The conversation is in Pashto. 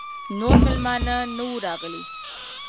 نور مېلمانه نه وه راغلي.